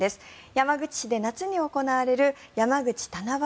山口市で夏に行われる山口七夕